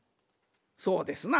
そうですな。